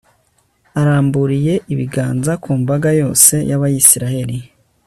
aramburiye ibiganza ku mbaga yose y'abayisraheli